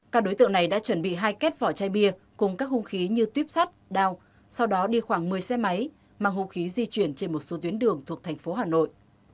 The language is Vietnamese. các đối tượng này đã chuẩn bị hai kết vỏ chai bia cùng các hung khí như tuyếp sắt đào sau đó đi khoảng một mươi xe máy mang hung khí di chuyển trên một số tuyến đường thuộc thành phố hà nội